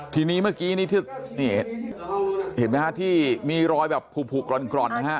ทีนี้เมื่อกี้นี่ที่นี่เห็นไหมฮะที่มีรอยแบบผูกร่อนนะฮะ